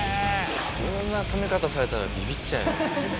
こんな止め方されたらビビっちゃうよ。